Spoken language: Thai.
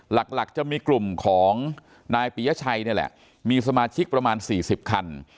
หลักจะมีกลุ่มของนายปียชัยนี่แหละมีสมาชิกประมาณ๔๐คัน